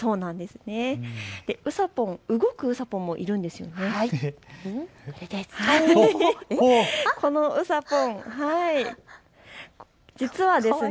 うさぽん、動くうさぽんもいるんですね。